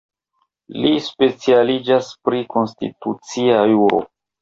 Li specialiĝas pri konstitucia juro.